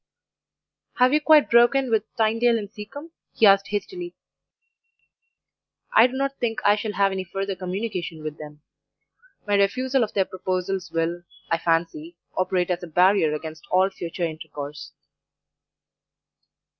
"'Have you quite broken with Tynedale and Seacombe?' he asked hastily. "'I do not think I shall have any further communication with them; my refusal of their proposals will, I fancy, operate as a barrier against all future intercourse.